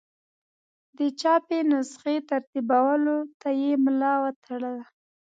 د چاپي نسخې ترتیبولو ته یې ملا وتړله.